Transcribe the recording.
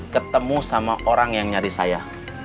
ketemu sama orang yang nyari saya